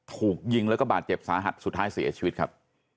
ถูกยิงแล้วก็บาดเจ็บสาหัสสุดท้ายเสียชีวิตครับ